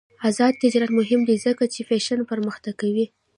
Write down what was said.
آزاد تجارت مهم دی ځکه چې فیشن پرمختګ کوي.